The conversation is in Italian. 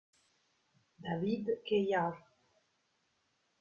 David Cuéllar